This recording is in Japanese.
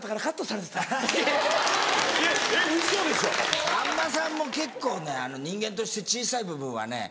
さんまさんも結構ね人間として小さい部分はね。